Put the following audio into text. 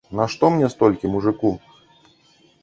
Нашто мне столькі, мужыку?